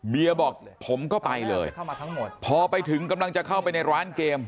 บอกผมก็ไปเลยพอไปถึงกำลังจะเข้าไปในร้านเกม